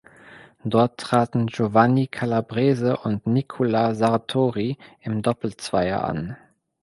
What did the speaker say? Dort traten Giovanni Calabrese und Nicola Sartori im Doppelzweier an.